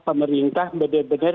pemerintah benar benar mengatakan